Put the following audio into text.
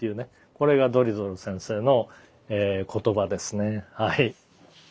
これがドリトル先生の言葉ですね。